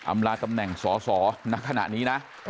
ำลาตำแหน่งสอสอนักขณะนี้นะ